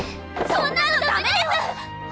そんなのダメです！